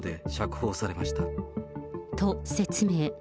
と、説明。